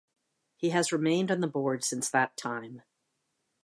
He has remained on the Board since that time.